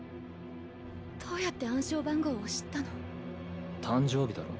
どうやって暗証番号を知ったの⁉誕生日だろ？